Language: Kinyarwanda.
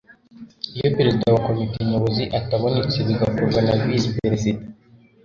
iyo perezida wa komite nyobozi atabonetse bigakorwa na visi perezida